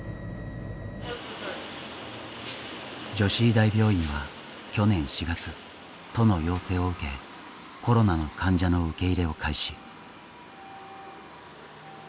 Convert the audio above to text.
女子医大病院は去年４月都の要請を受けコロナの患者の受け入れを開始。